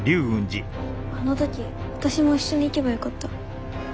あの時私も一緒に行けばよかった。